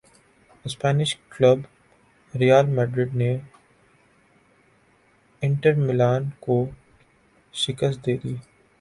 Spanish club Real Madrid نے Inter Milan کو شکست دے دی